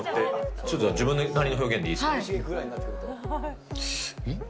ちょっと自分なりの表現でいえ？